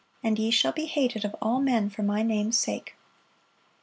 And ye shall be hated of all men for My name's sake."